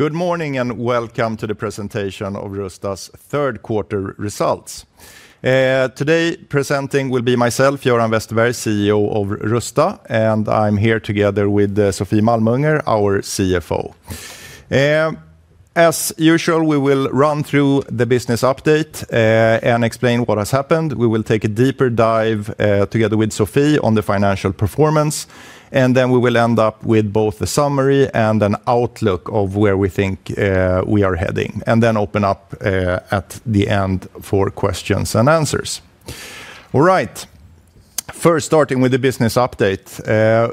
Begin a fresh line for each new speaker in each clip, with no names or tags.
Good morning and welcome to the presentation of Rusta's third quarter results. Today presenting will be myself, Göran Westerberg, CEO of Rusta, and I'm here together with Sofie Malmunger, our CFO. As usual, we will run through the business update and explain what has happened. We will take a deeper dive together with Sofie on the financial performance, and then we will end up with both the summary and an outlook of where we think we are heading, and then open up at the end for questions and answers. All right. First, starting with the business update.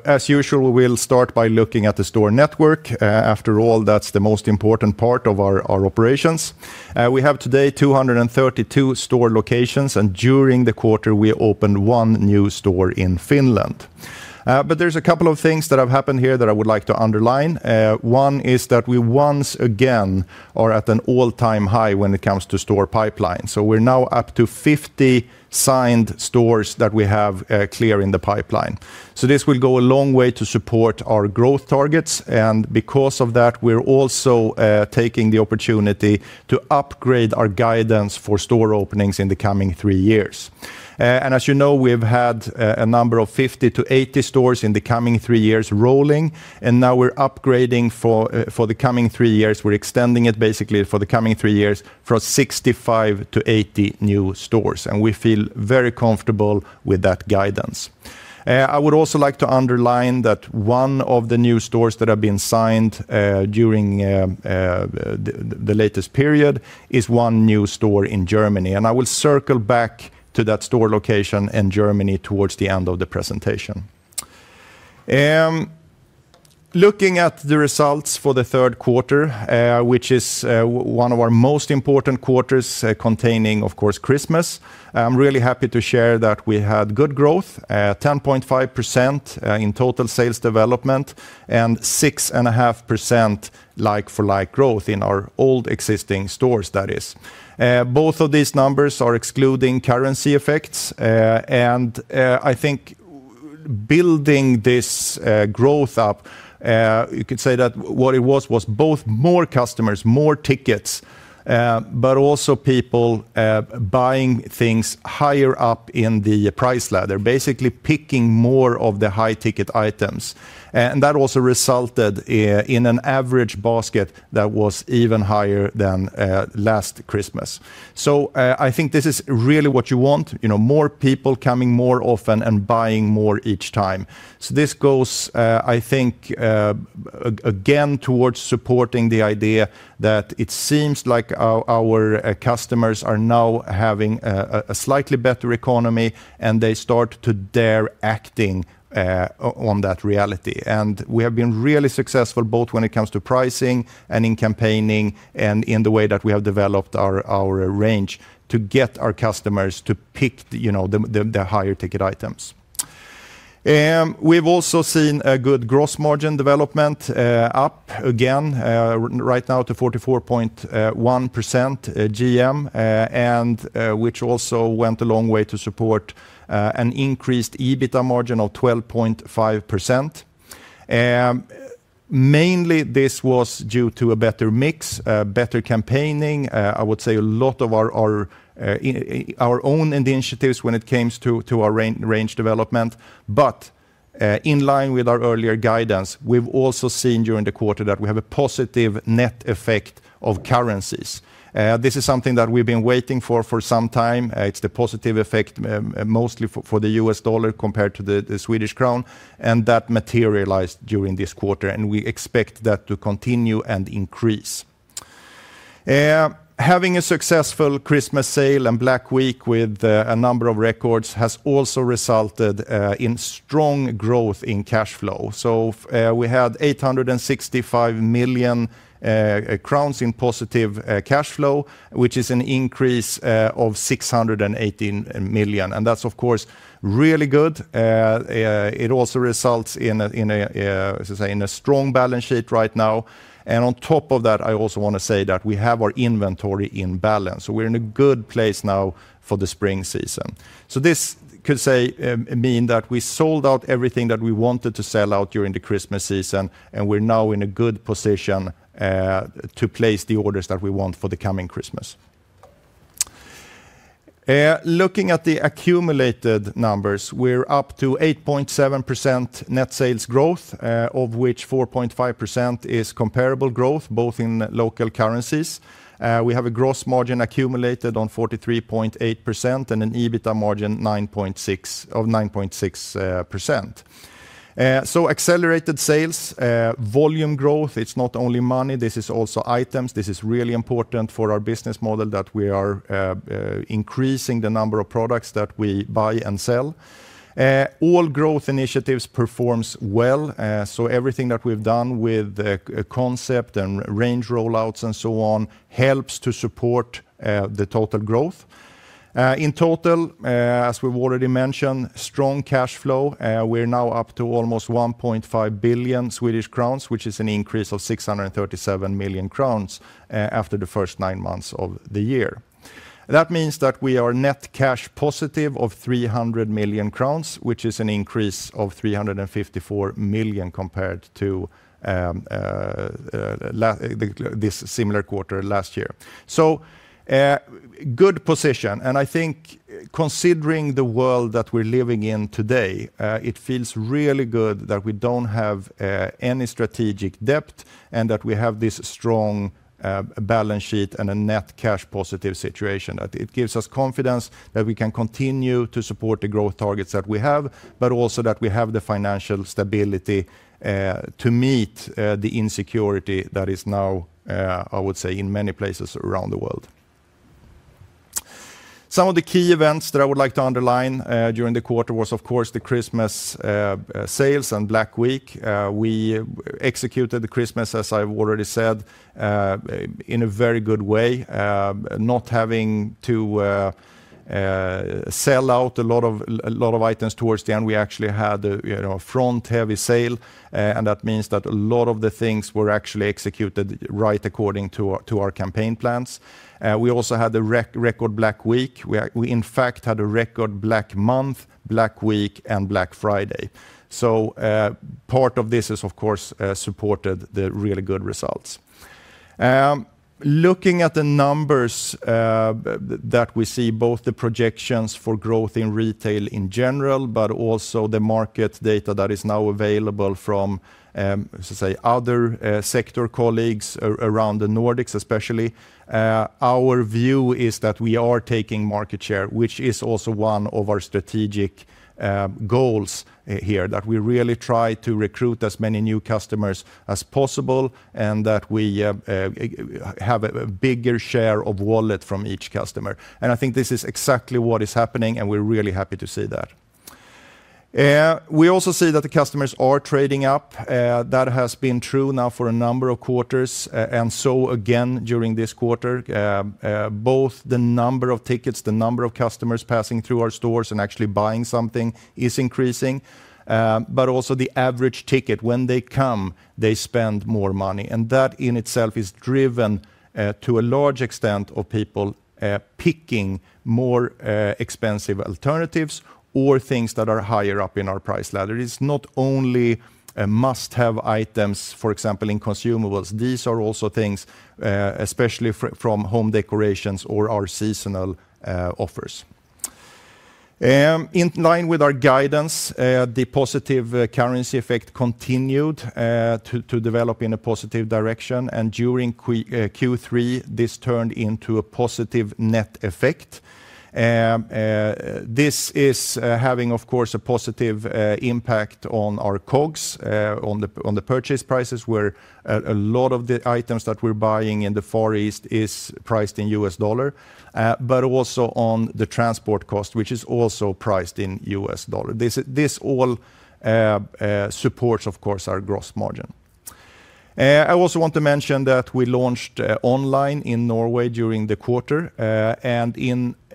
As usual, we'll start by looking at the store network. After all, that's the most important part of our operations. We have today 232 store locations, and during the quarter, we opened one new store in Finland. There's a couple of things that have happened here that I would like to underline. One is that we once again are at an all-time high when it comes to store pipeline. We're now up to 50 signed stores that we have clear in the pipeline. This will go a long way to support our growth targets, and because of that, we're also taking the opportunity to upgrade our guidance for store openings in the coming three years. As you know, we've had a number of 50-80 stores in the coming three years rolling, and now we're upgrading for the coming three years. We're extending it basically for the coming three years for 65-80 new stores, and we feel very comfortable with that guidance. I would also like to underline that one of the new stores that have been signed during the latest period is one new store in Germany, and I will circle back to that store location in Germany towards the end of the presentation. Looking at the results for the third quarter, which is one of our most important quarters containing, of course, Christmas, I'm really happy to share that we had good growth at 10.5% in total sales development and 6.5% like-for-like growth in our old existing stores, that is. Both of these numbers are excluding currency effects, and I think building this growth up, you could say that what it was was both more customers, more tickets, but also people buying things higher up in the price ladder, basically picking more of the high-ticket items. And that also resulted in an average basket that was even higher than last Christmas. I think this is really what you want, you know, more people coming more often and buying more each time. This goes, I think, again towards supporting the idea that it seems like our customers are now having a slightly better economy, and they start to dare acting on that reality. We have been really successful both when it comes to pricing and in campaigning and in the way that we have developed our range to get our customers to pick, you know, the higher-ticket items. We've also seen a good gross margin development, up again right now to 44.1% GM, and which also went a long way to support an increased EBITDA margin of 12.5%. Mainly this was due to a better mix, better campaigning. I would say a lot of our own initiatives when it comes to our range development, but in line with our earlier guidance, we've also seen during the quarter that we have a positive net effect of currencies. This is something that we've been waiting for for some time. It's the positive effect mostly for the U.S. dollar compared to the Swedish krona, and that materialized during this quarter, and we expect that to continue and increase. Having a successful Christmas sale and Black Week with a number of records has also resulted in strong growth in cash flow. We had 865 million crowns in positive cash flow, which is an increase of 680 million. That's, of course, really good. It also results in a strong balance sheet right now. On top of that, I also want to say that we have our inventory in balance. We're in a good place now for the spring season. This could mean that we sold out everything that we wanted to sell out during the Christmas season, and we're now in a good position to place the orders that we want for the coming Christmas. Looking at the accumulated numbers, we're up to 8.7% net sales growth, of which 4.5% is comparable growth, both in local currencies. We have a gross margin accumulated on 43.8% and an EBITA margin 9.6%. Accelerated sales volume growth, it's not only money, this is also items. This is really important for our business model that we are increasing the number of products that we buy and sell. All growth initiatives performs well. Everything that we've done with the concept and range rollouts and so on helps to support the total growth. In total, as we've already mentioned, strong cash flow. We're now up to almost 1.5 billion Swedish crowns, which is an increase of 637 million crowns after the first nine months of the year. That means that we are net cash positive 300 million crowns, which is an increase of 354 million compared to this similar quarter last year. Good position. I think considering the world that we're living in today, it feels really good that we don't have any net debt and that we have this strong balance sheet and a net cash positive situation. It gives us confidence that we can continue to support the growth targets that we have, but also that we have the financial stability to meet the insecurity that is now, I would say, in many places around the world. Some of the key events that I would like to underline during the quarter was, of course, the Christmas sales and Black Week. We executed the Christmas, as I've already said, in a very good way. Not having to sell out a lot of items towards the end. We actually had, you know, a front-heavy sale, and that means that a lot of the things were actually executed right according to our campaign plans. We also had the record Black Week. We in fact had a record Black Month, Black Week, and Black Friday. Part of this has, of course, supported the really good results. Looking at the numbers that we see both the projections for growth in retail in general but also the market data that is now available from, so to say, other sector colleagues around the Nordics especially, our view is that we are taking market share, which is also one of our strategic goals here, that we really try to recruit as many new customers as possible and that we have a bigger share of wallet from each customer. I think this is exactly what is happening, and we're really happy to see that. We also see that the customers are trading up. That has been true now for a number of quarters and again during this quarter. Both the number of tickets, the number of customers passing through our stores and actually buying something is increasing, but also the average ticket. When they come, they spend more money, and that in itself is driven to a large extent by people picking more expensive alternatives or things that are higher up in our price ladder. It's not only must-have items, for example, in consumables. These are also things, especially from home decorations or our seasonal offers. In line with our guidance, the positive currency effect continued to develop in a positive direction, and during Q3, this turned into a positive net effect. This is, of course, having a positive impact on our costs, on the purchase prices, where a lot of the items that we're buying in the Far East is priced in U.S. dollar, but also on the transport cost, which is also priced in U.S. dollar. This all supports, of course, our gross margin. I also want to mention that we launched online in Norway during the quarter.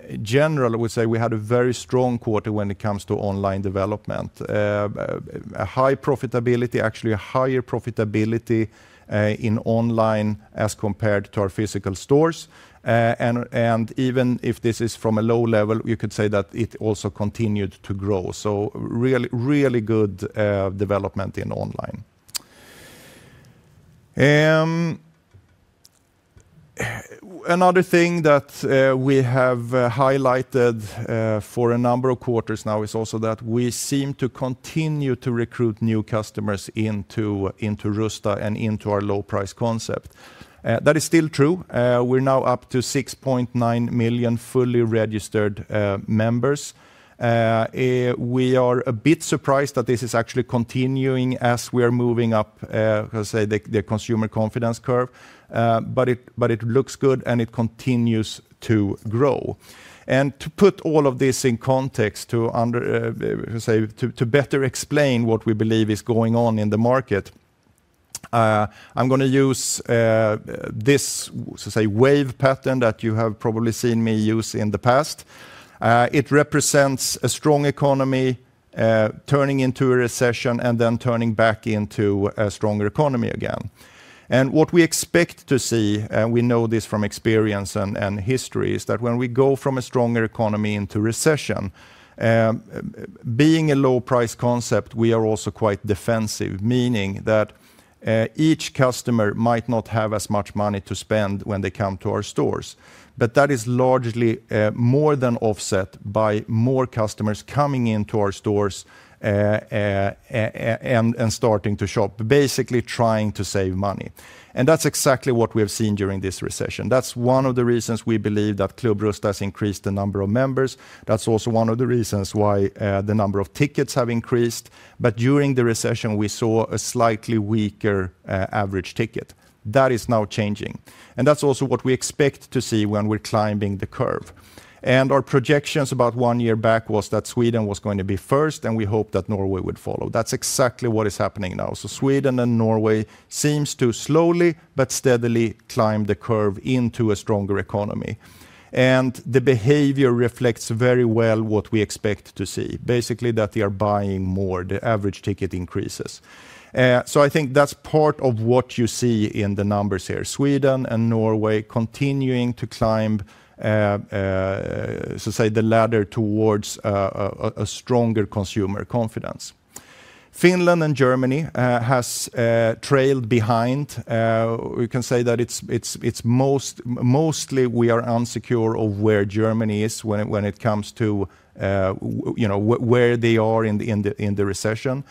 In general, I would say we had a very strong quarter when it comes to online development. A high profitability, actually a higher profitability, in online as compared to our physical stores. Even if this is from a low level, you could say that it also continued to grow. Really good development in online. Another thing that we have highlighted for a number of quarters now is also that we seem to continue to recruit new customers into Rusta and into our low price concept. That is still true. We're now up to 6.9 million fully registered members. We are a bit surprised that this is actually continuing as we are moving up, let's say, the consumer confidence curve. But it looks good, and it continues to grow. To put all of this in context, let's say, to better explain what we believe is going on in the market, I'm gonna use this wave pattern that you have probably seen me use in the past. It represents a strong economy, turning into a recession and then turning back into a stronger economy again. What we expect to see, we know this from experience and history, is that when we go from a stronger economy into recession, being a low price concept, we are also quite defensive, meaning that each customer might not have as much money to spend when they come to our stores. That is largely more than offset by more customers coming into our stores and starting to shop, basically trying to save money. That's exactly what we have seen during this recession. That's one of the reasons we believe that Club Rusta has increased the number of members. That's also one of the reasons why the number of tickets have increased. During the recession, we saw a slightly weaker average ticket. That is now changing, and that's also what we expect to see when we're climbing the curve. Our projections about one year back was that Sweden was going to be first, and we hoped that Norway would follow. That's exactly what is happening now. Sweden and Norway seems to slowly but steadily climb the curve into a stronger economy. The behavior reflects very well what we expect to see, basically that they are buying more, the average ticket increases. I think that's part of what you see in the numbers here, Sweden and Norway continuing to climb the ladder towards a stronger consumer confidence. Finland and Germany has trailed behind. We can say that it's mostly we are unsure of where Germany is when it comes to where they are in the recession.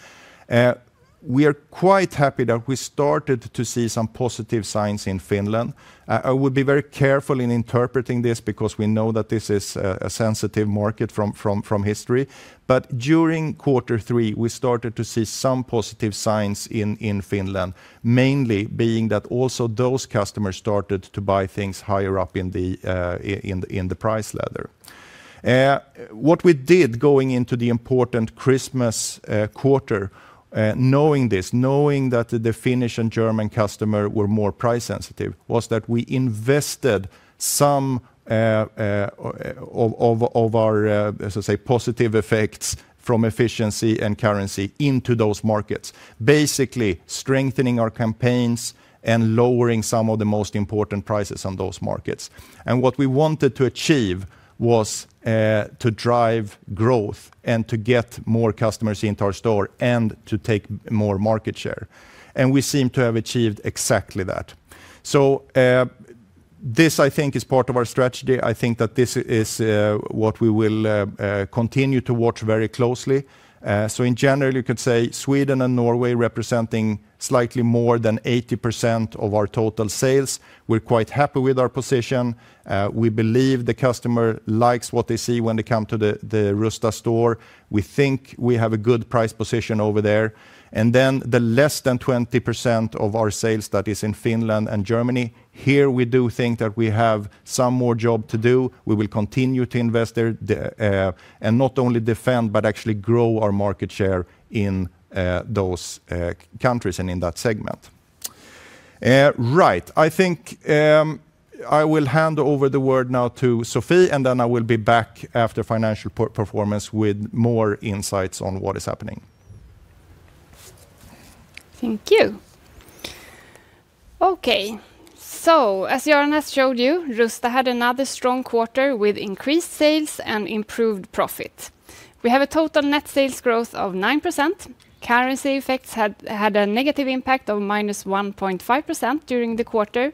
We are quite happy that we started to see some positive signs in Finland. I would be very careful in interpreting this because we know that this is a sensitive market from history. During quarter three, we started to see some positive signs in Finland, mainly being that also those customers started to buy things higher up in the price ladder. What we did going into the important Christmas quarter, knowing this, knowing that the Finnish and German customer were more price sensitive, was that we invested some of our, as I say, positive effects from efficiency and currency into those markets, basically strengthening our campaigns and lowering some of the most important prices on those markets. What we wanted to achieve was to drive growth and to get more customers into our store and to take more market share, and we seem to have achieved exactly that. This, I think, is part of our strategy. I think that this is what we will continue to watch very closely. In general, you could say Sweden and Norway representing slightly more than 80% of our total sales. We're quite happy with our position. We believe the customer likes what they see when they come to the Rusta store. We think we have a good price position over there. The less than 20% of our sales that is in Finland and Germany, here we do think that we have some more work to do. We will continue to invest there, and not only defend, but actually grow our market share in those countries and in that segment. I think I will hand over the word now to Sofie, and then I will be back after financial performance with more insights on what is happening.
Thank you. Okay. As Göran has showed you, Rusta had another strong quarter with increased sales and improved profit. We have a total net sales growth of 9%. Currency effects had a negative impact of -1.5% during the quarter.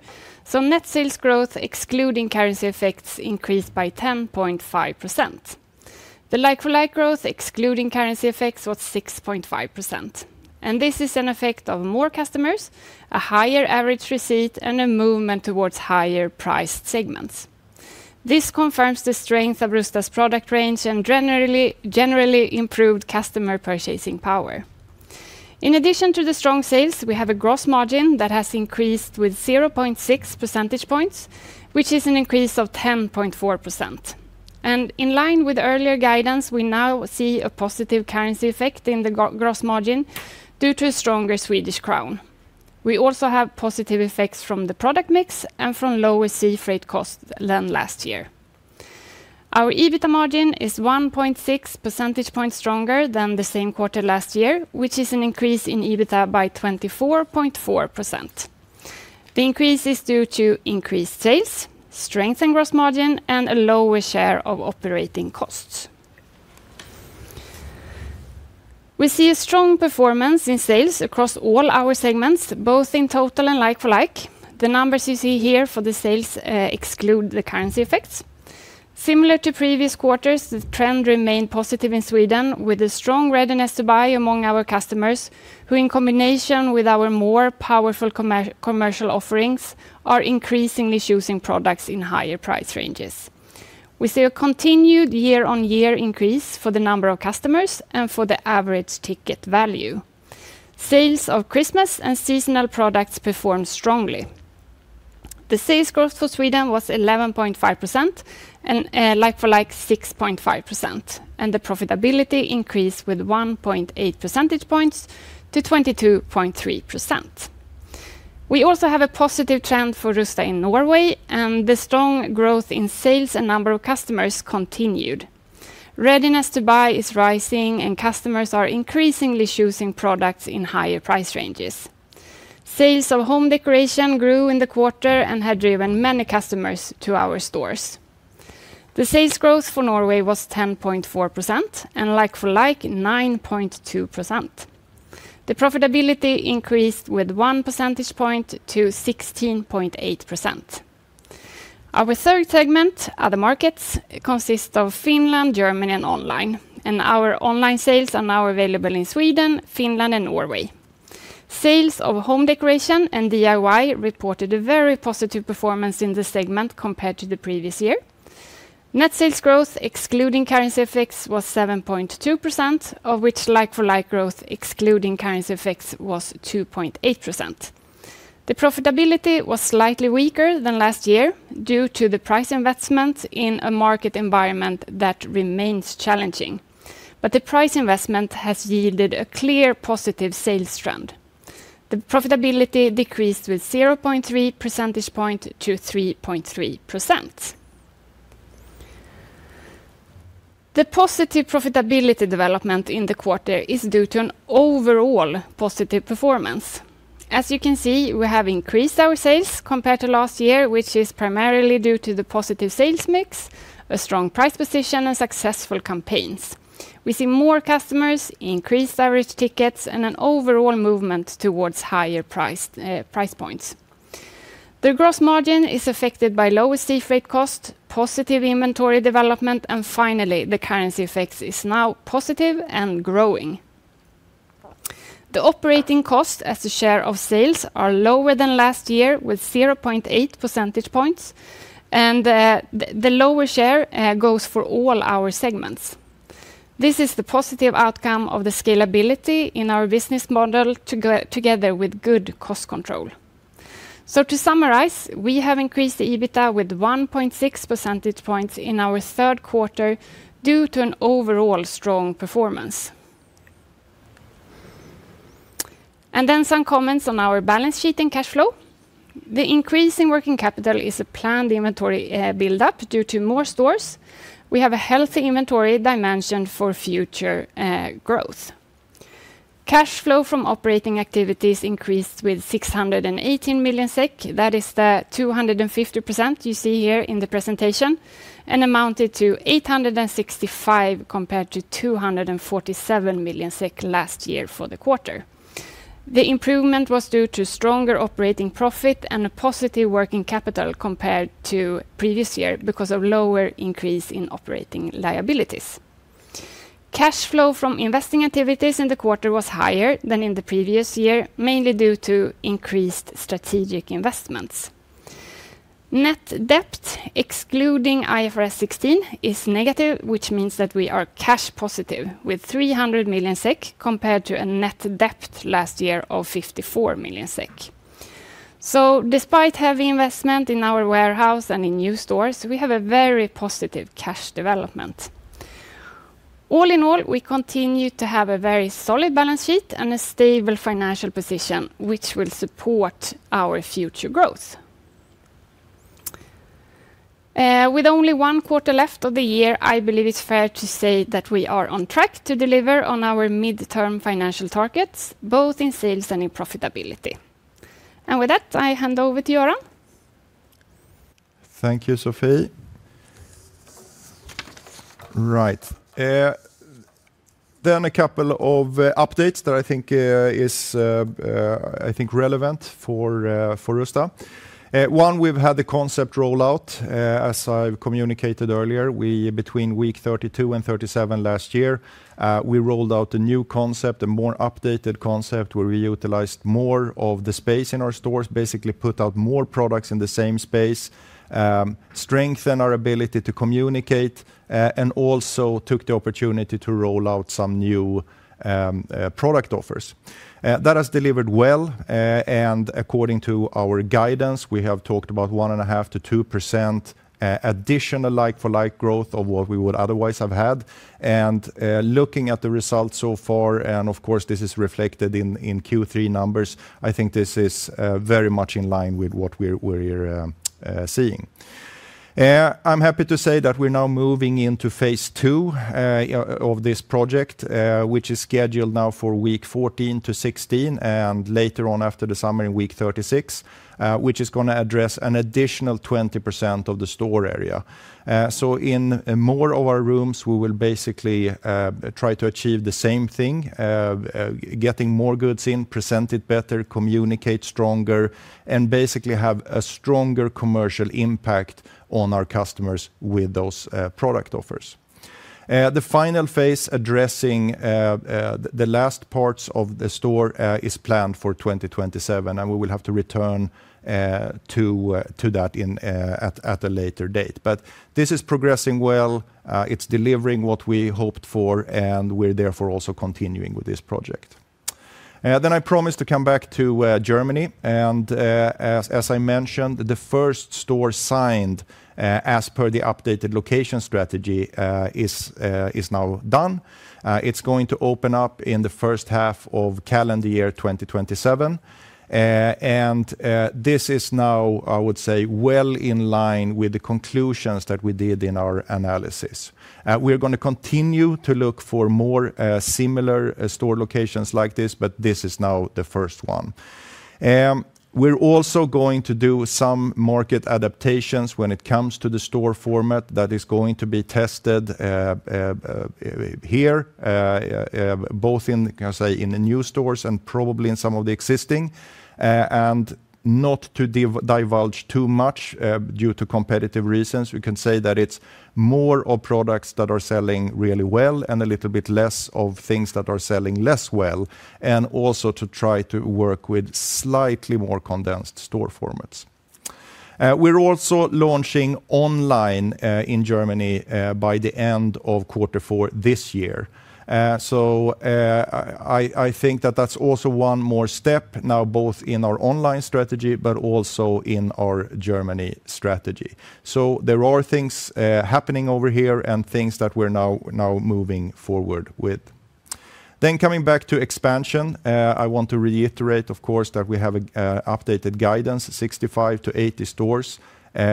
Net sales growth, excluding currency effects, increased by 10.5%. The like-for-like growth, excluding currency effects, was 6.5%, and this is an effect of more customers, a higher average receipt, and a movement towards higher priced segments. This confirms the strength of Rusta's product range and generally improved customer purchasing power. In addition to the strong sales, we have a gross margin that has increased with 0.6 percentage points, which is an increase of 10.4%. In line with earlier guidance, we now see a positive currency effect in the gross margin due to a stronger Swedish crown. We also have positive effects from the product mix and from lower sea freight costs than last year. Our EBITA margin is 1.6 percentage points stronger than the same quarter last year, which is an increase in EBITA by 24.4%. The increase is due to increased sales, strength in gross margin, and a lower share of operating costs. We see a strong performance in sales across all our segments, both in total and like-for-like. The numbers you see here for the sales exclude the currency effects. Similar to previous quarters, the trend remained positive in Sweden with a strong readiness to buy among our customers, who in combination with our more powerful commercial offerings, are increasingly choosing products in higher price ranges. We see a continued year-on-year increase for the number of customers and for the average ticket value. Sales of Christmas and seasonal products performed strongly. The sales growth for Sweden was 11.5% and like-for-like 6.5%, and the profitability increased with 1.8 percentage points to 22.3%. We also have a positive trend for Rusta in Norway, and the strong growth in sales and number of customers continued. Readiness to buy is rising, and customers are increasingly choosing products in higher price ranges. Sales of home decoration grew in the quarter and had driven many customers to our stores. The sales growth for Norway was 10.4%, and like-for-like, 9.2%. The profitability increased with one percentage point to 16.8%. Our third segment, Other Markets, consists of Finland, Germany, and online, and our online sales are now available in Sweden, Finland, and Norway. Sales of home decoration and DIY reported a very positive performance in this segment compared to the previous year. Net sales growth, excluding currency effects, was 7.2%, of which like-for-like growth, excluding currency effects, was 2.8%. The profitability was slightly weaker than last year due to the price investment in a market environment that remains challenging. The price investment has yielded a clear positive sales trend. The profitability decreased with 0.3 percentage point to 3.3%. The positive profitability development in the quarter is due to an overall positive performance. As you can see, we have increased our sales compared to last year, which is primarily due to the positive sales mix, a strong price position, and successful campaigns. We see more customers, increased average tickets, and an overall movement towards higher priced price points. The gross margin is affected by lower sea freight cost, positive inventory development, and finally, the currency effects is now positive and growing. The operating cost as a share of sales are lower than last year with 0.8 percentage points, and the lower share goes for all our segments. This is the positive outcome of the scalability in our business model together with good cost control. To summarize, we have increased the EBITDA with 1.6 percentage points in our third quarter due to an overall strong performance. Some comments on our balance sheet and cash flow. The increase in working capital is a planned inventory build-up due to more stores. We have a healthy inventory dimension for future growth. Cash flow from operating activities increased with 618 million SEK. That is the 250% you see here in the presentation and amounted to 865 million compared to 247 million SEK last year for the quarter. The improvement was due to stronger operating profit and a positive working capital compared to previous year because of lower increase in operating liabilities. Cash flow from investing activities in the quarter was higher than in the previous year, mainly due to increased strategic investments. Net debt, excluding IFRS 16, is negative, which means that we are cash positive with 300 million SEK compared to a net debt last year of 54 million SEK. Despite heavy investment in our warehouse and in new stores, we have a very positive cash development. All in all, we continue to have a very solid balance sheet and a stable financial position, which will support our future growth. With only one quarter left of the year, I believe it's fair to say that we are on track to deliver on our midterm financial targets, both in sales and in profitability. With that, I hand over to Göran.
Thank you, Sofie. Right. A couple of updates that I think is relevant for Rusta. One, we've had the concept rollout, as I've communicated earlier. We between week 32 and 37 last year, we rolled out a new concept, a more updated concept, where we utilized more of the space in our stores, basically put out more products in the same space, strengthen our ability to communicate, and also took the opportunity to roll out some new product offers. That has delivered well, and according to our guidance, we have talked about 1.5%-2% additional like-for-like growth of what we would otherwise have had. Looking at the results so far, of course, this is reflected in Q3 numbers. I think this is very much in line with what we're seeing. I'm happy to say that we're now moving into phase two of this project, which is scheduled now for week 14 to 16 and later on after the summer in week 36, which is gonna address an additional 20% of the store area. In more of our rooms, we will basically try to achieve the same thing, getting more goods in, present it better, communicate stronger, and basically have a stronger commercial impact on our customers with those product offers. The final phase addressing the last parts of the store is planned for 2027, and we will have to return to that at a later date. This is progressing well, it's delivering what we hoped for, and we're therefore also continuing with this project. I promise to come back to Germany, and as I mentioned, the first store signed as per the updated location strategy is now done. It's going to open up in the first half of calendar year 2027. This is now, I would say, well in line with the conclusions that we did in our analysis. We're gonna continue to look for more similar store locations like this, but this is now the first one. We're also going to do some market adaptations when it comes to the store format that is going to be tested both in, can I say, in the new stores and probably in some of the existing. Not to divulge too much, due to competitive reasons, we can say that it's more of products that are selling really well and a little bit less of things that are selling less well, and also to try to work with slightly more condensed store formats. We're also launching online in Germany by the end of quarter four this year. I think that that's also one more step now, both in our online strategy, but also in our Germany strategy. There are things happening over here and things that we're now moving forward with. Coming back to expansion, I want to reiterate, of course, that we have an updated guidance, 65-80 stores,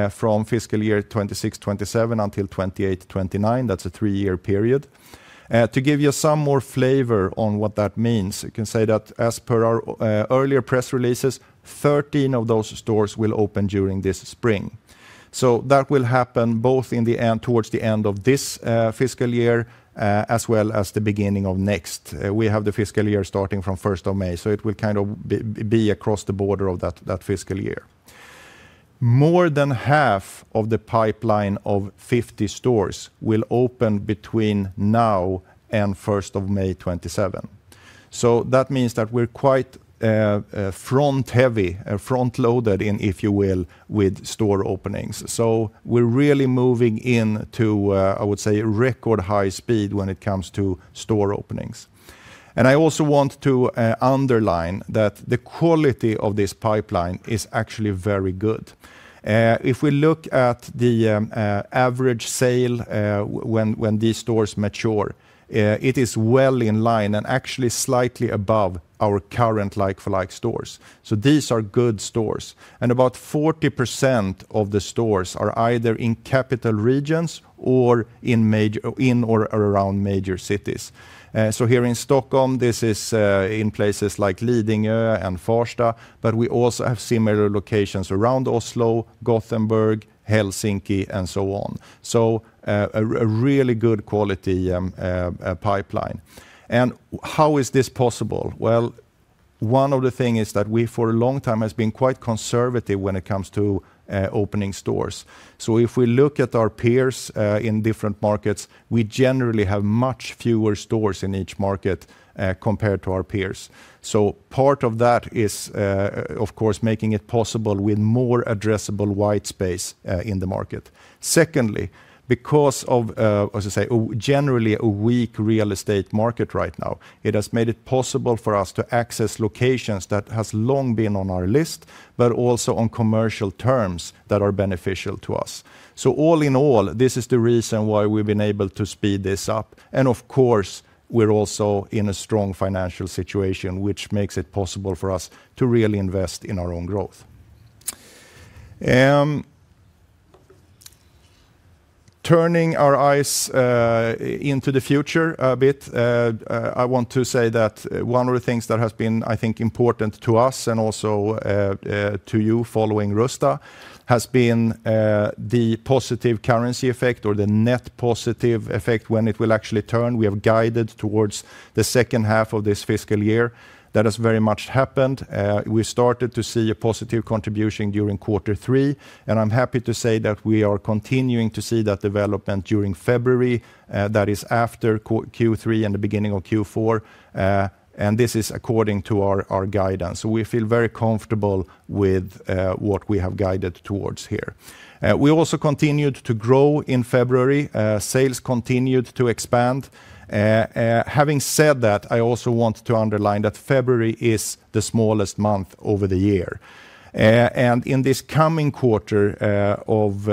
from fiscal year 2026-2027 until 2028-2029. That's a three-year period. To give you some more flavor on what that means, you can say that as per our earlier press releases, 13 of those stores will open during this spring. That will happen both in the end, towards the end of this fiscal year, as well as the beginning of next. We have the fiscal year starting from first of May, so it will kind of be across the border of that fiscal year. More than half of the pipeline of 50 stores will open between now and first of May 2027. That means that we're quite front-loaded in, if you will, with store openings. We're really moving into, I would say, record high speed when it comes to store openings. I also want to underline that the quality of this pipeline is actually very good. If we look at the average sale when these stores mature, it is well in line and actually slightly above our current like-for-like stores. These are good stores. About 40% of the stores are either in capital regions or in or around major cities. Here in Stockholm, this is in places like Lidingö and Farsta, but we also have similar locations around Oslo, Gothenburg, Helsinki, and so on. A really good quality pipeline. How is this possible? Well, one of the thing is that we, for a long time, has been quite conservative when it comes to opening stores. If we look at our peers in different markets, we generally have much fewer stores in each market compared to our peers. Part of that is of course making it possible with more addressable white space in the market. Secondly, because of as I say, a generally weak real estate market right now, it has made it possible for us to access locations that has long been on our list, but also on commercial terms that are beneficial to us. All in all, this is the reason why we've been able to speed this up. Of course, we're also in a strong financial situation, which makes it possible for us to really invest in our own growth. Turning our eyes into the future a bit, I want to say that one of the things that has been, I think, important to us and also to you following Rusta, has been the positive currency effect or the net positive effect when it will actually turn. We have guided towards the second half of this fiscal year. That has very much happened. We started to see a positive contribution during quarter three, and I'm happy to say that we are continuing to see that development during February, that is after Q3 and the beginning of Q4. And this is according to our guidance. We feel very comfortable with what we have guided towards here. We also continued to grow in February. Sales continued to expand. Having said that, I also want to underline that February is the smallest month of the year. In this coming quarter of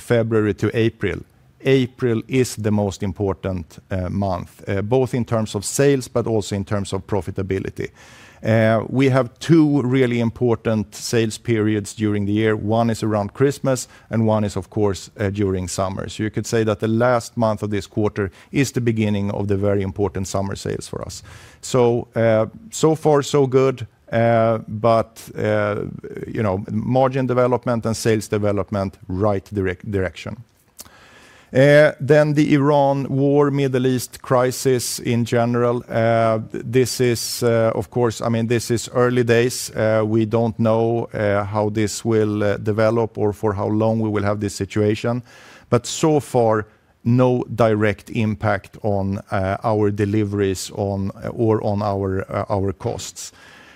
February to April is the most important month both in terms of sales but also in terms of profitability. We have two really important sales periods during the year. One is around Christmas, and one is, of course, during summer. You could say that the last month of this quarter is the beginning of the very important summer sales for us. So far so good, but you know, margin development and sales development, right direction. The Iran war, Middle East crisis in general, this is, of course, I mean, this is early days. We don't know how this will develop or for how long we will have this situation. So far, no direct impact on our deliveries or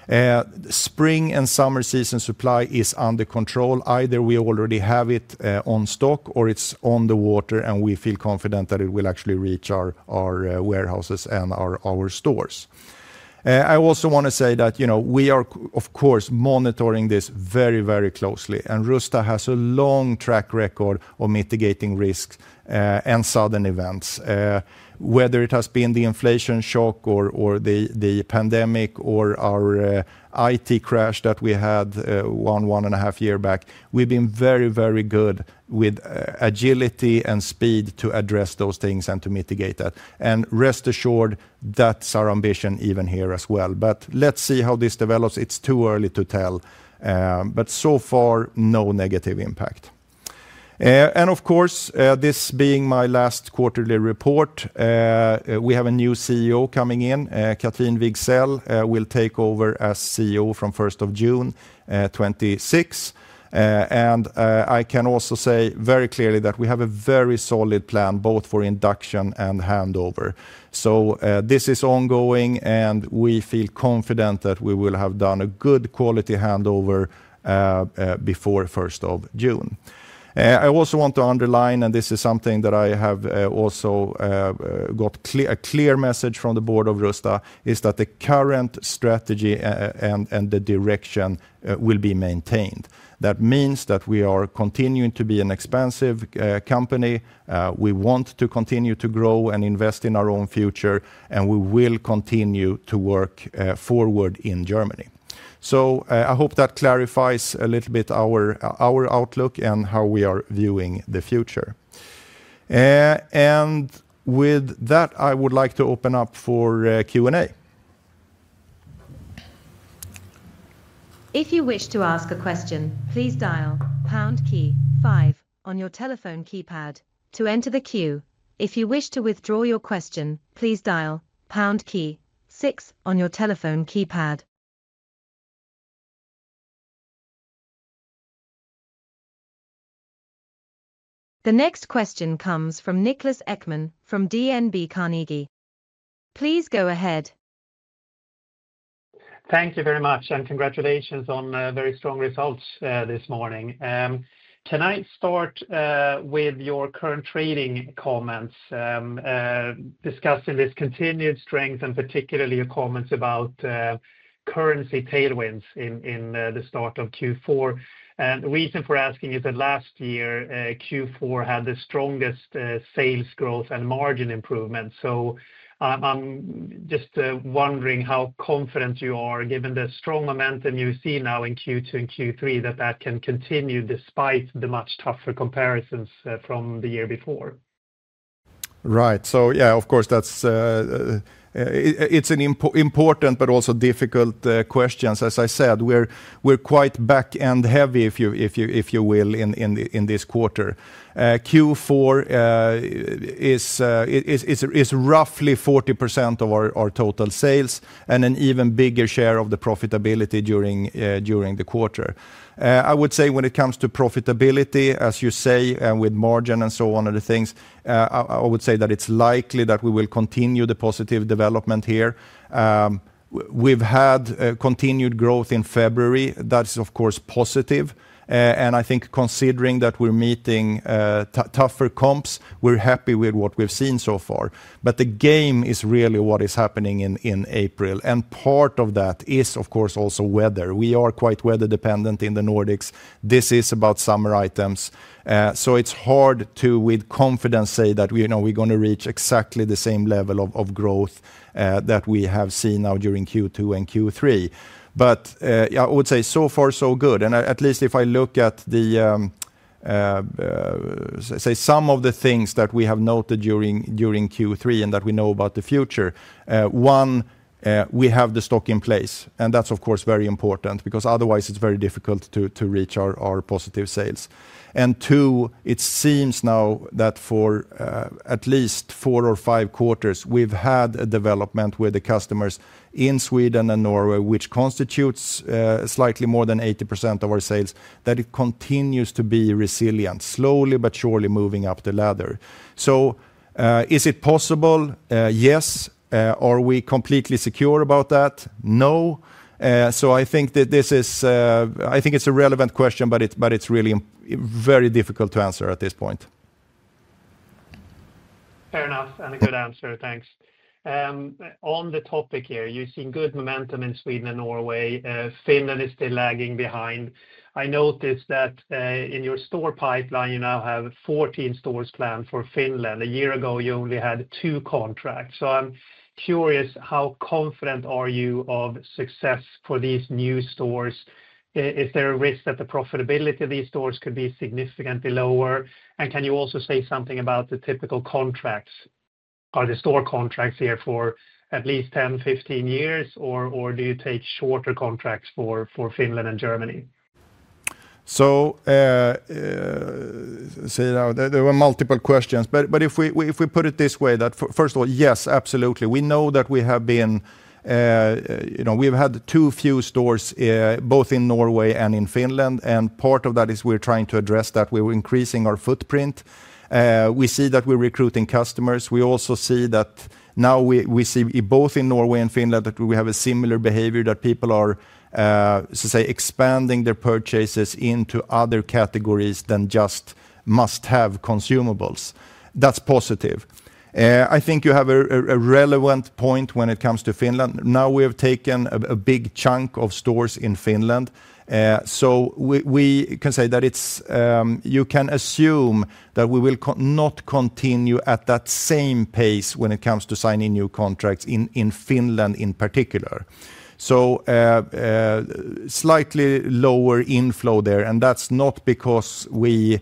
on our costs. Spring and summer season supply is under control. Either we already have it in stock or it's on the water, and we feel confident that it will actually reach our warehouses and our stores. I also wanna say that, you know, we are of course monitoring this very, very closely, and Rusta has a long track record of mitigating risks and sudden events. Whether it has been the inflation shock or the pandemic or our IT crash that we had one and a half year back, we've been very good with agility and speed to address those things and to mitigate that. Rest assured, that's our ambition even here as well. Let's see how this develops. It's too early to tell, but so far, no negative impact. Of course, this being my last quarterly report, we have a new CEO coming in. Cathrine Wigzell will take over as CEO from June 26th. I can also say very clearly that we have a very solid plan both for induction and handover. This is ongoing, and we feel confident that we will have done a good quality handover before first of June. I also want to underline, and this is something that I have also got a clear message from the board of Rusta, is that the current strategy and the direction will be maintained. That means that we are continuing to be an expansive company. We want to continue to grow and invest in our own future, and we will continue to work forward in Germany. I hope that clarifies a little bit our outlook and how we are viewing the future. With that, I would like to open up for Q&A.
If you wish to ask a question, please dial pound key five on your telephone keypad to enter the queue. If you wish to withdraw your question, please dial pound key six on your telephone keypad. The next question comes from Niklas Ekman from DNB Carnegie. Please go ahead.
Thank you very much, and congratulations on very strong results this morning. Can I start with your current trading comments, discussing this continued strength and particularly your comments about currency tailwinds in the start of Q4? The reason for asking you is that last year Q4 had the strongest sales growth and margin improvement. I'm just wondering how confident you are given the strong momentum you see now in Q2 and Q3 that can continue despite the much tougher comparisons from the year before?
Right. Yeah, of course, that's, it's an important but also difficult question. As I said, we're quite back-loaded heavily if you will, in this quarter. Q4 is roughly 40% of our total sales and an even bigger share of the profitability during the quarter. I would say when it comes to profitability, as you say, with margin and so on other things, I would say that it's likely that we will continue the positive development here. We've had continued growth in February. That's of course positive. I think considering that we're meeting tougher comps, we're happy with what we've seen so far. The game is really what is happening in April. Part of that is, of course, also weather. We are quite weather dependent in the Nordics. This is about summer items. So it's hard to with confidence say that, you know, we're gonna reach exactly the same level of growth that we have seen now during Q2 and Q3. I would say so far so good. At least if I look at the say some of the things that we have noted during Q3 and that we know about the future, we have the stock in place, and that's of course very important because otherwise it's very difficult to reach our positive sales. Two, it seems now that for at least four or five quarters, we've had a development with the customers in Sweden and Norway, which constitutes slightly more than 80% of our sales, that it continues to be resilient, slowly but surely moving up the ladder. Is it possible? Yes. Are we completely secure about that? No. I think it's a relevant question, but it's really very difficult to answer at this point.
Fair enough. A good answer. Thanks. On the topic here, you've seen good momentum in Sweden and Norway. Finland is still lagging behind. I noticed that, in your store pipeline, you now have 14 stores planned for Finland. A year ago, you only had two contracts. I'm curious, how confident are you of success for these new stores? Is there a risk that the profitability of these stores could be significantly lower? Can you also say something about the typical contracts? Are the store contracts here for at least 10, 15 years, or do you take shorter contracts for Finland and Germany?
There were multiple questions. If we put it this way, first of all, yes, absolutely. We know that we have been, you know, we've had too few stores, both in Norway and in Finland, and part of that is we're trying to address that. We're increasing our footprint. We see that we're recruiting customers. We also see that now we see both in Norway and Finland that we have a similar behavior that people are, say, expanding their purchases into other categories than just must have consumables. That's positive. I think you have a relevant point when it comes to Finland. Now we have taken a big chunk of stores in Finland. We can say that it's you can assume that we will not continue at that same pace when it comes to signing new contracts in Finland in particular. Slightly lower inflow there. That's not because we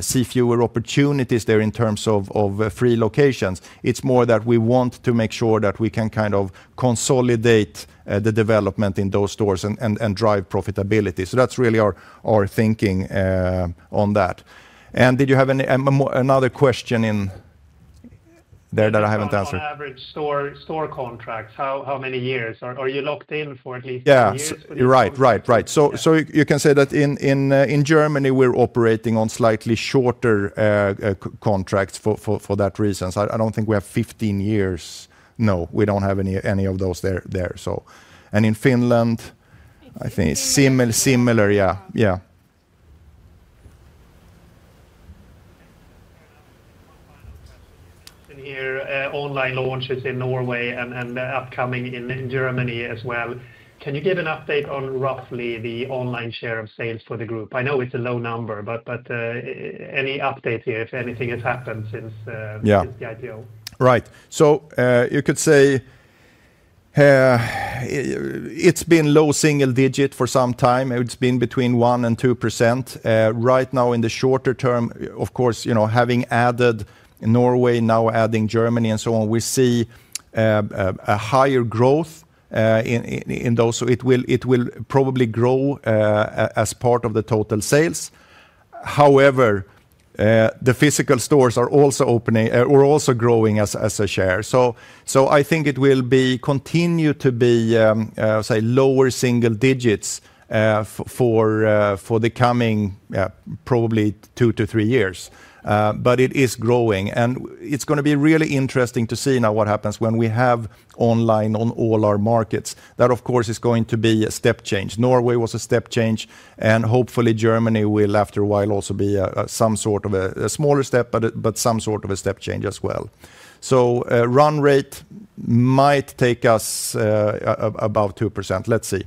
see fewer opportunities there in terms of free locations. It's more that we want to make sure that we can kind of consolidate the development in those stores and drive profitability. That's really our thinking on that. Did you have any other question in there that I haven't answered?
On average, store contracts, how many years? Are you locked in for at least 10 years with these stores?
Yeah. You're right. Right. You can say that in Germany, we're operating on slightly shorter contracts for that reason. I don't think we have 15 years. No, we don't have any of those there. In Finland, I think similar. Yeah.
One final question here. Online launches in Norway and upcoming in Germany as well. Can you give an update on roughly the online share of sales for the group? I know it's a low number, but any update here, if anything has happened since.
Yeah.
Since the IPO.
Right. You could say it's been low single digit for some time. It's been between 1% and 2%. Right now in the shorter term, of course, you know, having added Norway, now adding Germany and so on, we see a higher growth in those. It will probably grow as part of the total sales. However, the physical stores are also growing as a share. I think it will continue to be, say lower single digits for the coming, yeah, probably two to three years. It is growing, and it's gonna be really interesting to see now what happens when we have online on all our markets. That, of course, is going to be a step change. Norway was a step change, and hopefully Germany will after a while also be some sort of a smaller step, but some sort of a step change as well. Run rate might take us about 2%. Let's see.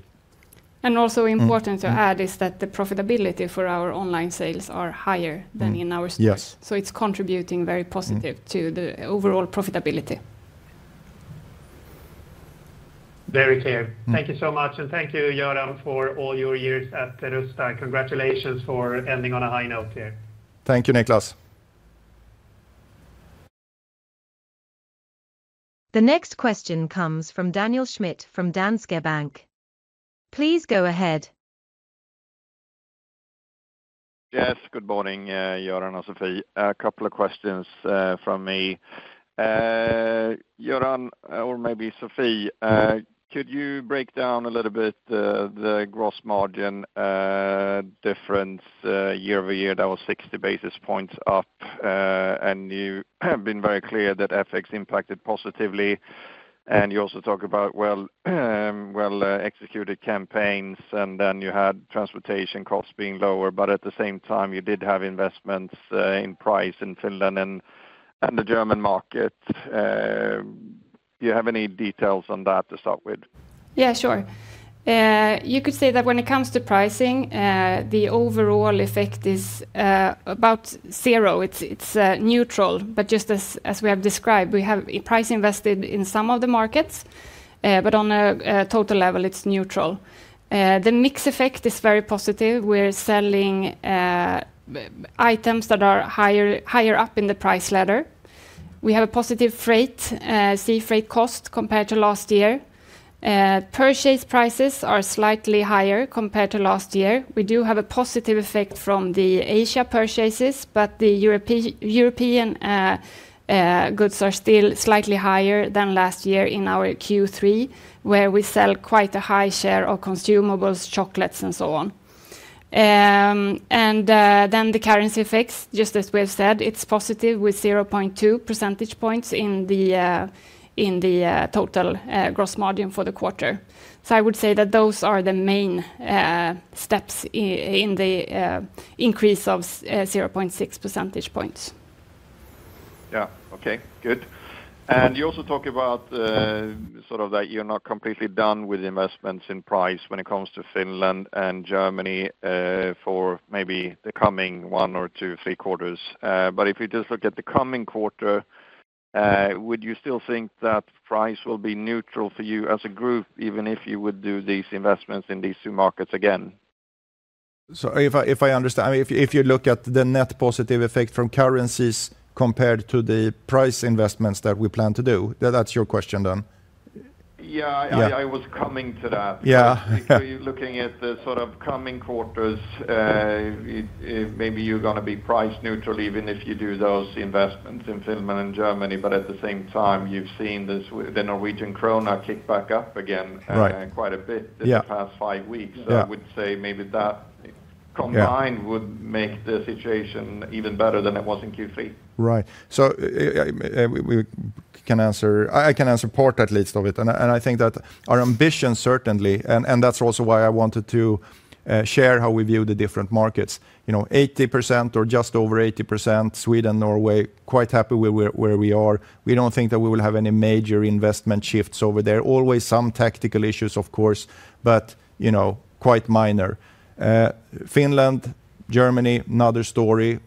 Important to add is that the profitability for our online sales are higher than in our stores.
Yes.
It's contributing very positive to the overall profitability.
Very clear. Thank you so much, and thank you, Göran, for all your years at Rusta. Congratulations for ending on a high note here.
Thank you, Niklas.
The next question comes from Daniel Schmidt from Danske Bank. Please go ahead.
Yes. Good morning, Göran and Sofie. A couple of questions from me. Göran, or maybe Sofie, could you break down a little bit the gross margin difference year-over-year? That was 60 basis points up, and you have been very clear that FX impacted positively, and you also talk about well executed campaigns, and then you had transportation costs being lower. At the same time, you did have investments in pricing in Finland and the German market. Do you have any details on that to start with?
Yeah, sure. You could say that when it comes to pricing, the overall effect is about zero. It's neutral. Just as we have described, we have price invested in some of the markets, but on a total level, it's neutral. The mix effect is very positive. We're selling more items that are higher up in the price ladder. We have a positive sea freight cost compared to last year. Purchase prices are slightly higher compared to last year. We do have a positive effect from the Asian purchases, but the European goods are still slightly higher than last year in our Q3, where we sell quite a high share of consumables, chocolates, and so on. The currency effects, just as we have said, it's positive with 0.2 percentage points in the total gross margin for the quarter. I would say that those are the main steps in the increase of 0.6 percentage points.
Yeah. Okay. Good. You also talk about sort of that you're not completely done with investments in price when it comes to Finland and Germany for maybe the coming one or two, three quarters. If you just look at the coming quarter, would you still think that price will be neutral for you as a group even if you would do these investments in these two markets again?
If I understand, if you look at the net positive effect from currencies compared to the price investments that we plan to do, that's your question then?
Yeah.
Yeah.
I was coming to that.
Yeah.
You're looking at the sort of coming quarters, it maybe you're gonna be price neutral even if you do those investments in Finland and Germany. But at the same time, you've seen the Norwegian krone kick back up again.
Right.
Quite a bit.
Yeah.
In the past five weeks.
Yeah.
I would say maybe that combined.
Yeah.
Would make the situation even better than it was in Q3.
Right. We can answer, I can answer part at least of it. I think that our ambition certainly, and that's also why I wanted to share how we view the different markets. You know, 80% or just over 80%, Sweden, Norway, quite happy where we are. We don't think that we will have any major investment shifts over there. Always some tactical issues of course, but you know, quite minor. Finland, Germany, another story.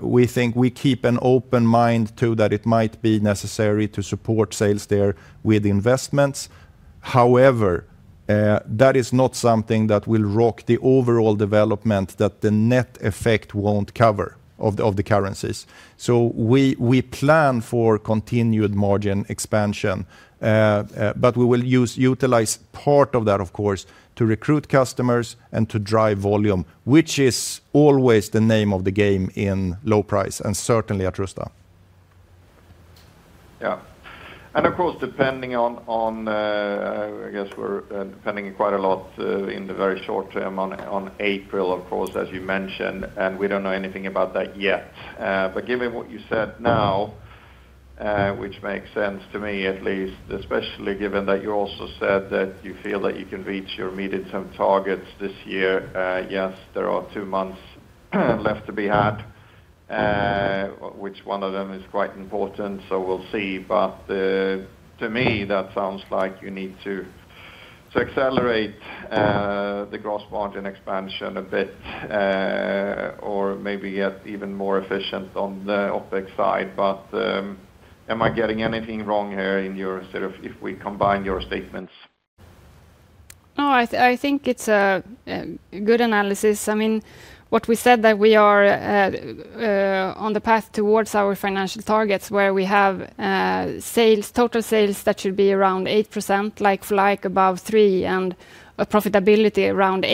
We think we keep an open mind to that it might be necessary to support sales there with investments. However, that is not something that will rock the overall development that the net effect won't cover of the currencies. We plan for continued margin expansion, but we will utilize part of that of course to recruit customers and to drive volume, which is always the name of the game in low price and certainly at Rusta.
Yeah. Of course depending on, I guess we're depending quite a lot in the very short term on April of course as you mentioned, and we don't know anything about that yet. Given what you said now, which makes sense to me at least, especially given that you also said that you feel that you can reach your medium-term targets this year, yes, there are two months left to be had, which one of them is quite important, so we'll see. To me that sounds like you need to accelerate the gross margin expansion a bit, or maybe get even more efficient on the OpEx side. Am I getting anything wrong here in your sort of if we combine your statements?
No, I think it's a good analysis. I mean, what we said that we are on the path towards our financial targets where we have sales, total sales that should be around 8%, like-for-like above 3%, and a profitability around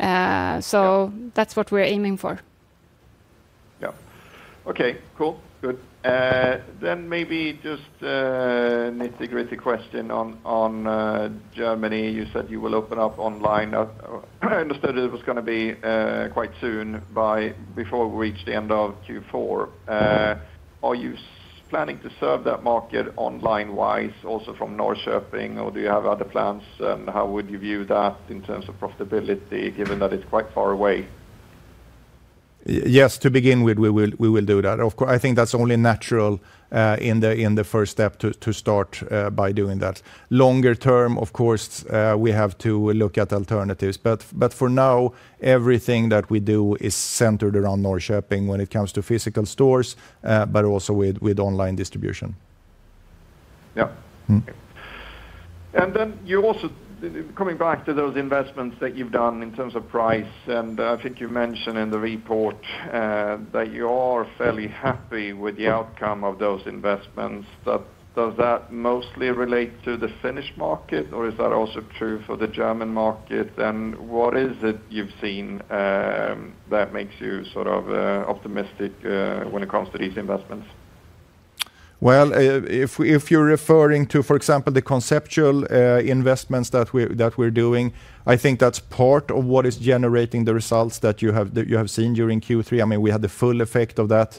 8%. That's what we're aiming for.
Yeah. Okay, cool. Good. Maybe just a nitty-gritty question on Germany. You said you will open up online. I understood it was gonna be quite soon before we reach the end of Q4. Are you planning to serve that market online-wise also from Norrköping, or do you have other plans? And how would you view that in terms of profitability given that it's quite far away?
Yes, to begin with, we will do that. Of course, I think that's only natural, in the first step to start by doing that. Longer term, of course, we have to look at alternatives. For now, everything that we do is centered around Norrköping when it comes to physical stores, but also with online distribution.
Yeah.
Mm-hmm.
Coming back to those investments that you've done in terms of price, and I think you mentioned in the report, that you are fairly happy with the outcome of those investments. Does that mostly relate to the Finnish market, or is that also true for the German market? What is it you've seen, that makes you sort of optimistic, when it comes to these investments?
If you're referring to, for example, the conceptual investments that we're doing, I think that's part of what is generating the results that you have seen during Q3. I mean, we had the full effect of that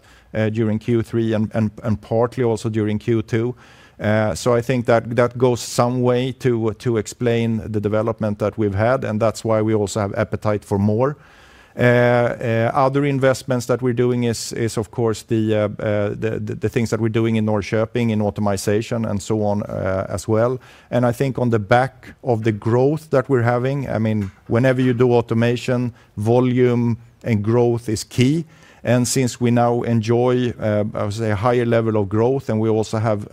during Q3 and partly also during Q2. I think that goes some way to explain the development that we've had, and that's why we also have appetite for more. Other investments that we're doing is of course the things that we're doing in Norrköping in automation and so on, as well. I think on the back of the growth that we're having, I mean, whenever you do automation, volume and growth is key. Since we now enjoy, I would say a higher level of growth, and we also have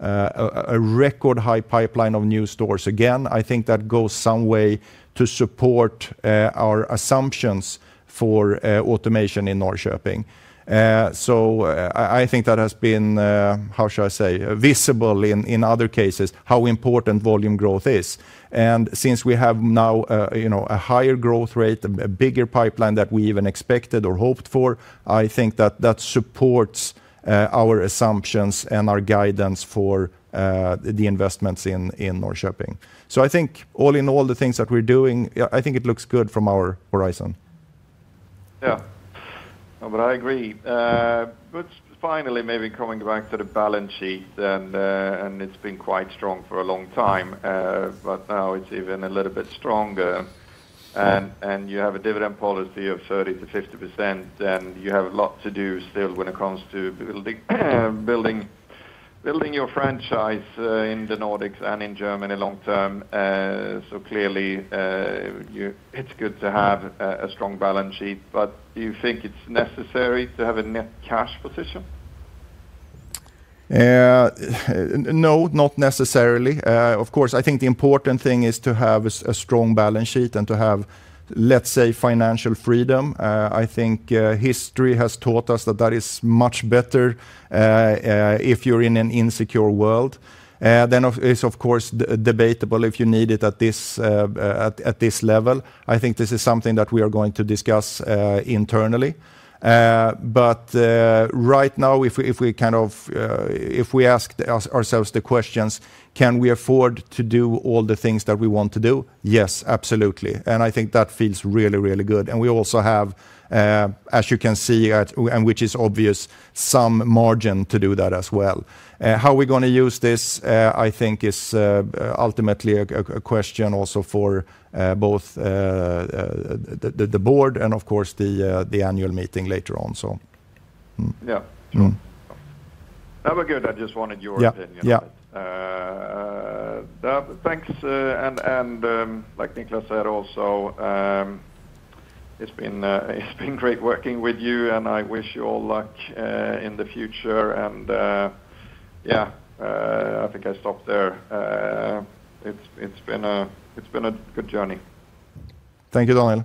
a record high pipeline of new stores, again, I think that goes some way to support our assumptions for automation in Norrköping. I think that has been, how should I say, visible in other cases how important volume growth is. Since we have now, you know, a higher growth rate, a bigger pipeline that we even expected or hoped for, I think that supports our assumptions and our guidance for the investments in Norrköping. I think all in all the things that we're doing, yeah, I think it looks good from our horizon.
I agree. Finally, maybe coming back to the balance sheet, and it's been quite strong for a long time, but now it's even a little bit stronger. You have a dividend policy of 30%-50%, and you have a lot to do still when it comes to building your franchise in the Nordics and in Germany long term. Clearly, it's good to have a strong balance sheet, but do you think it's necessary to have a net cash position?
No, not necessarily. Of course, I think the important thing is to have a strong balance sheet and to have, let's say, financial freedom. I think history has taught us that that is much better if you're in an insecure world. Then it's of course debatable if you need it at this level. I think this is something that we are going to discuss internally. But right now, if we kind of ask ourselves the questions, can we afford to do all the things that we want to do? Yes, absolutely. We also have, as you can see and which is obvious, some margin to do that as well. How we're gonna use this, I think is ultimately a question also for both the board and of course the annual meeting later on so.
Yeah.
Mm-hmm.
That was good. I just wanted your opinion.
Yeah, yeah.
Thanks, and like Niklas said also, it's been great working with you, and I wish you all luck in the future and yeah. I think I stop there. It's been a good journey.
Thank you, Daniel.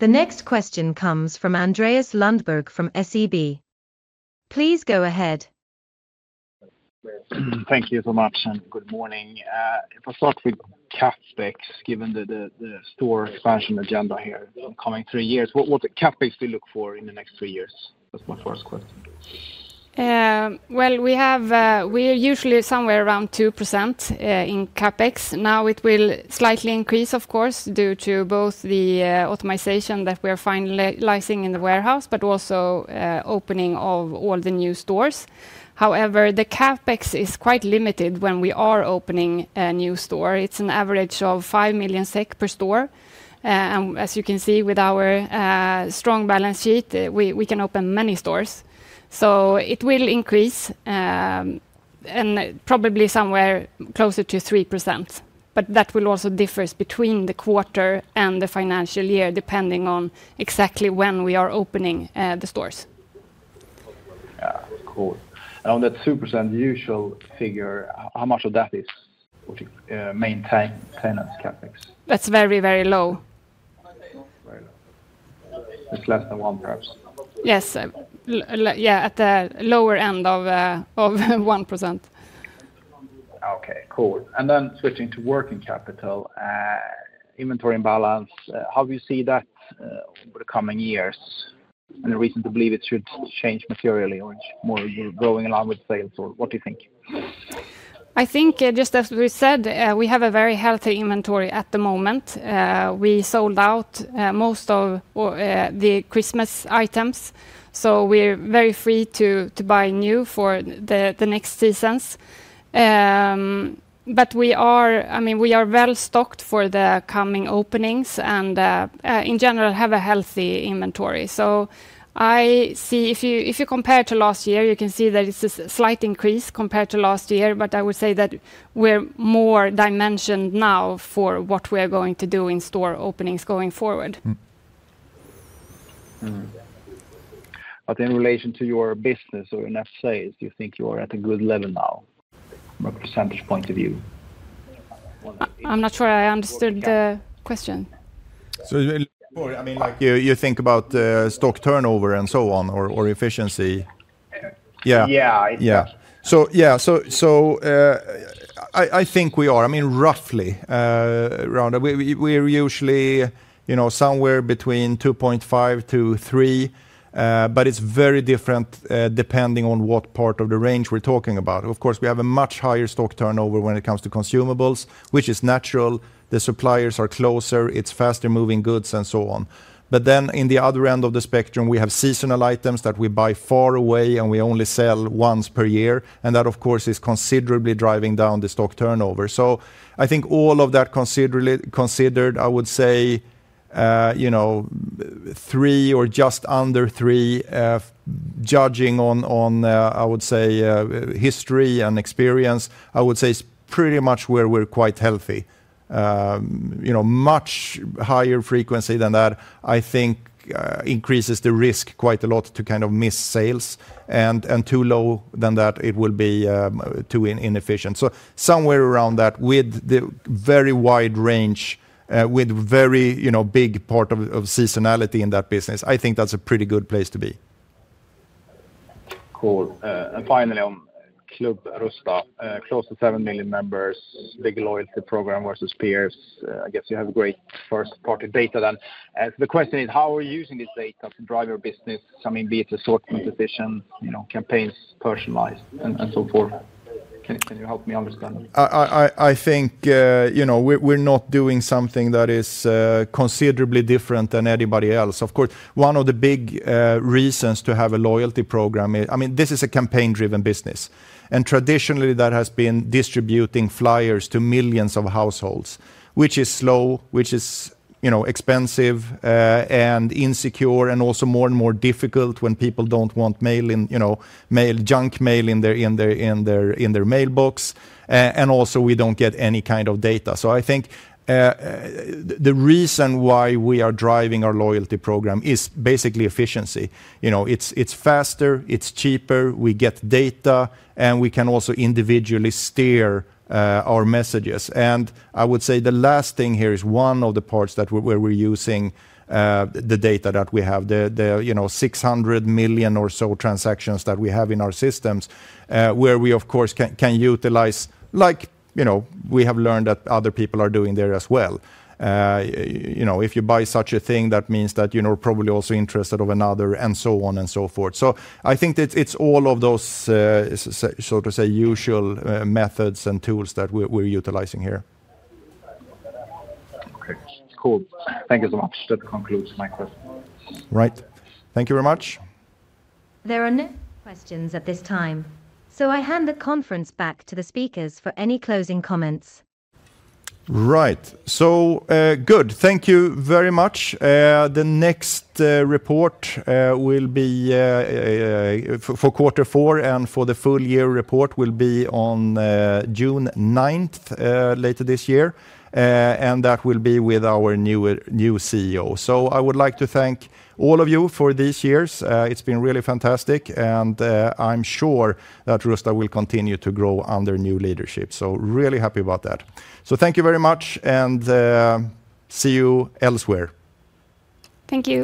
The next question comes from Andreas Lundberg from SEB. Please go ahead.
Thank you so much, and good morning. If I start with CapEx, given the store expansion agenda here coming three years, what CapEx do you look for in the next three years? That's my first question.
Well, we have we're usually somewhere around 2% in CapEx. Now it will slightly increase, of course, due to both the automation that we're finalizing in the warehouse but also opening of all the new stores. However, the CapEx is quite limited when we are opening a new store. It's an average of 5 million SEK per store. And as you can see with our strong balance sheet, we can open many stores. It will increase and probably somewhere closer to 3%. That will also differ between the quarter and the financial year, depending on exactly when we are opening the stores.
Yeah. Cool. On that 2% usual figure, how much of that is for the maintenance CapEx?
That's very, very low.
Very low. It's less than one, perhaps.
Yes, at the lower end of 1%.
Cool. Switching to working capital, inventory and balance, how do you see that over the coming years? Any reason to believe it should change materially or it should more be going along with sales, or what do you think?
I think, just as we said, we have a very healthy inventory at the moment. We sold out most of the Christmas items, so we're very free to buy new for the next seasons. I mean, we are well-stocked for the coming openings and, in general have a healthy inventory. I see if you compare to last year, you can see that it's a slight increase compared to last year. I would say that we're more dimensioned now for what we are going to do in store openings going forward.
In relation to your business or enough sales, do you think you are at a good level now from a percentage point of view?
I'm not sure I understood the question.
More, I mean, like, you think about stock turnover and so on or efficiency. Yeah.
Yeah.
I think we are. I mean, roughly, around. We're usually, you know, somewhere between 2.5 to three, but it's very different, depending on what part of the range we're talking about. Of course, we have a much higher stock turnover when it comes to consumables, which is natural. The suppliers are closer, it's faster-moving goods and so on. In the other end of the spectrum, we have seasonal items that we buy far away and we only sell once per year, and that, of course, is considerably driving down the stock turnover. I think all of that considered, I would say, you know, three or just under three, judging on, I would say, history and experience, I would say it's pretty much where we're quite healthy. You know, much higher frequency than that, I think, increases the risk quite a lot to kind of miss sales. Too low than that, it will be too inefficient. Somewhere around that with the very wide range, with very, you know, big part of seasonality in that business, I think that's a pretty good place to be.
Cool. Finally on Club Rusta, close to seven million members, big loyalty program versus peers. I guess you have great first party data then. The question is how are you using this data to drive your business? I mean, be it assortment, efficiency, you know, campaigns personalized and so forth. Can you help me understand?
I think you know we're not doing something that is considerably different than anybody else. Of course one of the big reasons to have a loyalty program is I mean this is a campaign-driven business and traditionally that has been distributing flyers to millions of households which is slow which is you know expensive and insecure and also more and more difficult when people don't want mail you know junk mail in their mailbox. And also we don't get any kind of data. I think the reason why we are driving our loyalty program is basically efficiency. You know it's faster it's cheaper we get data and we can also individually steer our messages. I would say the last thing here is one of the parts where we're using the data that we have, you know, 600 million or so transactions that we have in our systems, where we of course can utilize like, you know, we have learned that other people are doing there as well. You know, if you buy such a thing, that means that, you know, probably also interested in another and so on and so forth. I think that it's all of those, so to say usual methods and tools that we're utilizing here.
Okay. Cool. Thank you so much. That concludes my questions.
Right. Thank you very much.
There are no questions at this time, so I hand the conference back to the speakers for any closing comments.
Right. Good. Thank you very much. The next report will be for quarter four and for the full-year report will be on June 9th later this year. That will be with our new CEO. I would like to thank all of you for these years. It's been really fantastic and I'm sure that Rusta will continue to grow under new leadership, so really happy about that. Thank you very much and see you elsewhere.
Thank you.